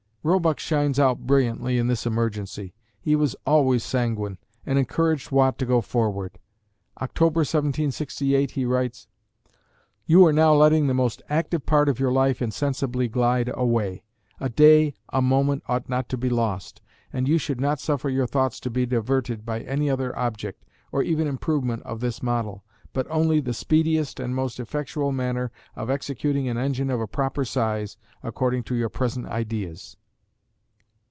Roebuck shines out brilliantly in this emergency. He was always sanguine, and encouraged Watt to go forward. October, 1768, he writes: You are now letting the most active part of your life insensibly glide away. A day, a moment, ought not to be lost. And you should not suffer your thoughts to be diverted by any other object, or even improvement of this [model], but only the speediest and most effectual manner of executing an engine of a proper size, according to your present ideas.